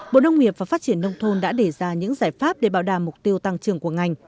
bộ nông nghiệp và phát triển nông thôn đã để ra những giải pháp để bảo đảm mục tiêu tăng trưởng của ngành